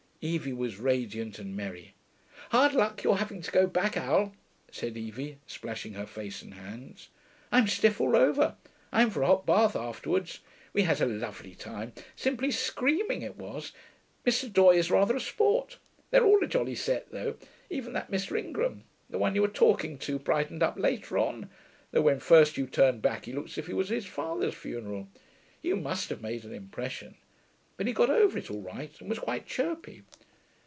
Evie was radiant and merry. 'Hard luck your having to go back, Al,' said Evie, splashing her face and hands. 'I'm stiff all over; I'm for a hot bath afterwards. We had a lovely time; simply screaming, it was. Mr. Doye is rather a sport. They're all a jolly set, though. Even that Mr. Ingram, the one you were talking to, brightened up later on, though when first you turned back he looked as if he was at his father's funeral. You must have made an impression. But he got over it all right and was quite chirpy.'